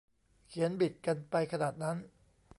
เขียนบิดกันไปขนาดนั้น